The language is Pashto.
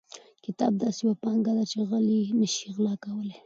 کتاب داسې یوه پانګه ده چې غل یې نشي غلا کولی.